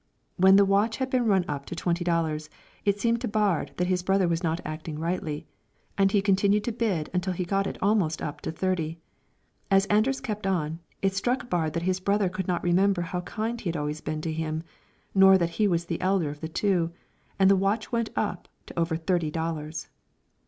When the watch had been run up to twenty dollars, it seemed to Baard that his brother was not acting rightly, and he continued to bid until he got it almost up to thirty; as Anders kept on, it struck Baard that his brother could not remember how kind he had always been to him, nor that he was the elder of the two, and the watch went up to over thirty dollars.